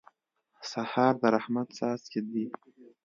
سهار د رحمت څاڅکي دي.